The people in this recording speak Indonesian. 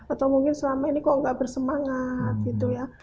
atau mungkin selama ini kok gak bersemangat gitu ya